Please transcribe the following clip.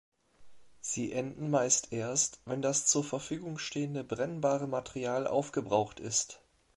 Sie enden meist erst, wenn das zur Verfügung stehende brennbare Material aufgebraucht ist.